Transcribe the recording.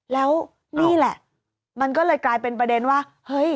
แล้วนี่แหละมันก็เลยกลายเป็นประเด็นว่าเฮ้ย